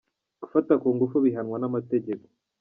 Gufata kungufu bihanwa n'amategeko.